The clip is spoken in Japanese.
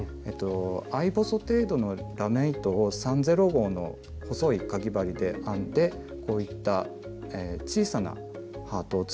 合細程度のラメ糸を３／０号の細いかぎ針で編んでこういった小さなハートを作って。